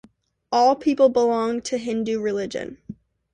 All people belong to Hindu religion.